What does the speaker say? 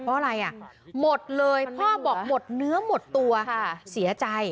เพราะอะไรอ่ะหมดเลยพ่อบอกหมดเนื้อหมดตัวเสียใจ